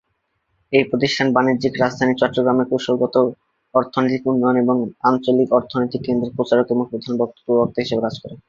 এই প্রতিষ্ঠান বাণিজ্যিক রাজধানী চট্টগ্রামের কৌশলগত অর্থনৈতিক উন্নয়ন এবং আঞ্চলিক অর্থনৈতিক কেন্দ্রের প্রচারক এবং প্রধান প্রবক্তা হিসেবে কাজ করে।